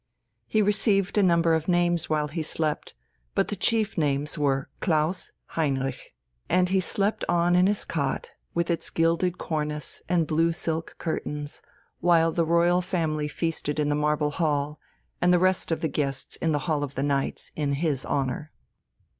He received a number of names while he slept; but the chief names were Klaus Heinrich. And he slept on in his cot with its gilded cornice and blue silk curtains, while the royal family feasted in the Marble Hall, and the rest of the guests in the Hall of the Knights, in his honour.